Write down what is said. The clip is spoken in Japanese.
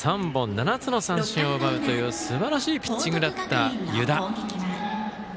７つの三振を奪うというすばらしいピッチングだった湯田。